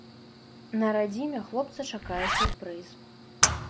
На радзіме хлопца чакае сюрпрыз.